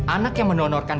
anak yang menonorkan